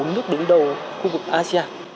bốn nước đứng đầu khu vực asean